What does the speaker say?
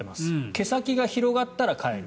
毛先が広がったら替える。